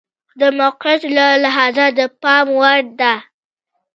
د موقعیت له لحاظه د پام وړ ده.